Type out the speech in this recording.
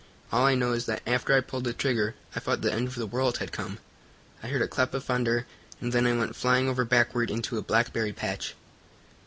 All I know is that after I pulled the trigger I thought the end of the world had come. I heard a clap of thunder, and then I went flying over backward into a blackberry patch."